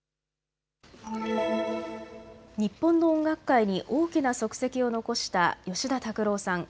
日本の音楽界に大きな足跡を残した吉田拓郎さん。